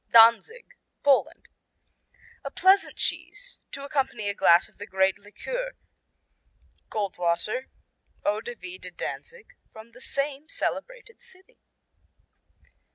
Danzig Poland A pleasant cheese to accompany a glass of the great liqueur, Goldwasser, Eau de Vie de Danzig, from the same celebrated city.